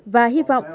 và hy vọng